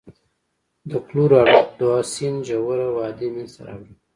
د کلورادو سیند ژوره وادي منځته راوړي.